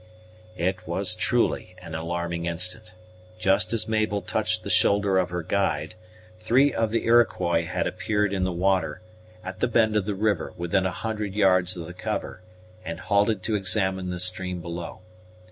It was truly an alarming instant. Just as Mabel touched the shoulder of her guide, three of the Iroquois had appeared in the water, at the bend of the river, within a hundred yards of the cover, and halted to examine the stream below.